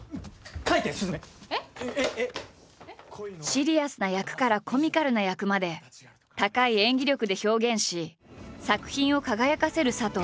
シリアスな役からコミカルな役まで高い演技力で表現し作品を輝かせる佐藤。